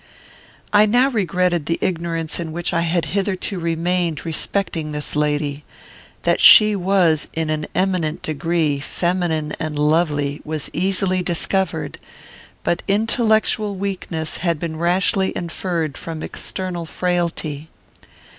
I now regretted the ignorance in which I had hitherto remained respecting this lady. That she was, in an eminent degree, feminine and lovely, was easily discovered; but intellectual weakness had been rashly inferred from external frailty.